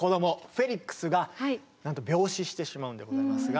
フェリックスがなんと病死してしまうんでございますが。